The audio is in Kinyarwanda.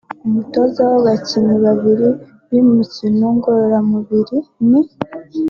umutoza w’abakinnyi babiri b’imikino ngororamubiri ni